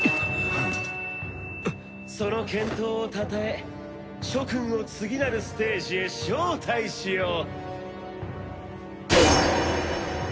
その健闘をたたえ諸君を次なるステージへ招待しよう。